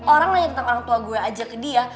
orang nanya tentang orang tua gue aja ke dia